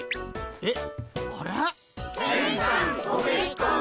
えっ？